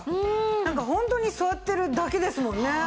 なんかホントに座ってるだけですもんね。